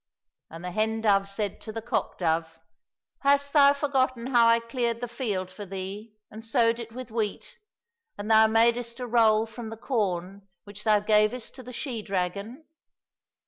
And the hen dove said to the cock dove, " Hast thou forgotten how I cleared the field for thee, and sowed it with wheat, and thou mad'st a roll from the corn which thou gavest to the she dragon